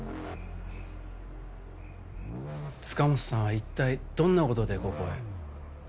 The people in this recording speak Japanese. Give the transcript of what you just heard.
塚本さんは一体どんな事でここへ？